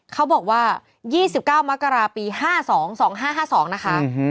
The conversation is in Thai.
เขาบอกว่า๒๙มกราปี๕๒๒๕๕๒นะคะ